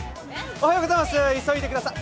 おはようございます。